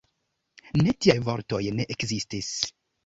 Ne, tiaj vortoj ne ekzistis!